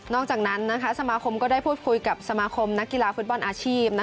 อกจากนั้นสมาคมก็ได้พูดคุยกับสมาคมนักกีฬาฟุตบอลอาชีพ